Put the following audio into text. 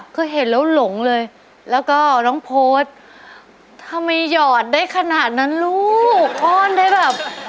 คือเห็นแล้วหลงเลยแล้วก็น้องโพสต์ทำไมหยอดได้ขนาดนั้นลูกอ้อนได้แบบ